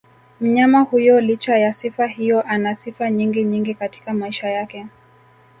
Mnyama huyo licha ya sifa hiyo anasifa nyingi nyingi katika maisha yake